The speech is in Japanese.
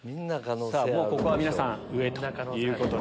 ここは皆さん上ということに。